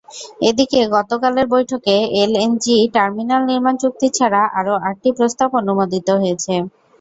এদিকে গতকালের বৈঠকে এলএনজি টার্মিনাল নির্মাণ চুক্তি ছাড়া আরও আটটি প্রস্তাব অনুমোদিত হয়েছে।